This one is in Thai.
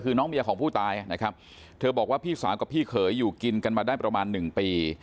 คือน้องเมียของผู้ตายนะครับเธอบอกว่าพี่สาวกับพี่เขยอยู่กินกันมาได้ประมาณหนึ่งปี